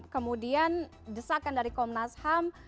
kemudian desakan dari komnas ham